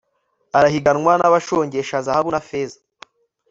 arahiganwa n'abashongesha zahabu na feza